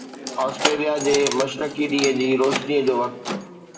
Australia جي مشرقي ڏينهن جي روشني جو وقت